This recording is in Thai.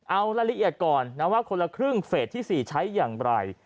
เอาละเอียดก่อนนะว่าคนละครึ่งเฟสที่๔ใช้อย่างไร